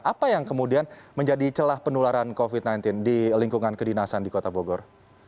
apa yang kemudian menjadi celah penularan covid sembilan belas di lingkungan kedinasan di kota bogor